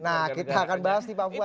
nah kita akan bahas di pampuan ini